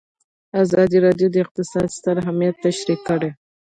ازادي راډیو د اقتصاد ستر اهميت تشریح کړی.